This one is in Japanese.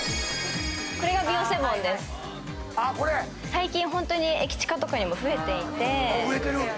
最近ホントに駅チカとかにも増えていて。